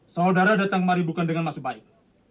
saudara datang kemari bukan dengan maksud baik